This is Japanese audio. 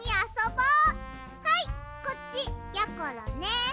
はいこっちやころね。